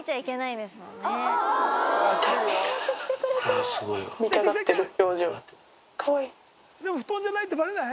でも布団じゃないってバレない？